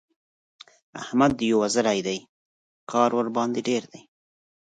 احمد يو وزری دی؛ کار ورباندې ډېر دی.